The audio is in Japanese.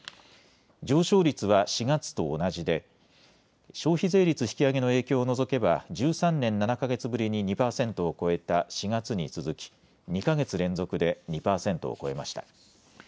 上昇率は４月と同じで消費税率引き上げの影響を除けば１３年７か月ぶりに２％を超えた４月に続き２か月連続で２％を超えました。